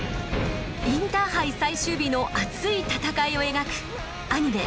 インターハイ最終日の熱い戦いを描くアニメ